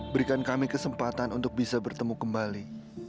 berikan kami kesempatan untuk bisa bertemu kembali